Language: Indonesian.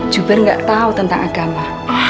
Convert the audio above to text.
juber nggak tahu tentang agama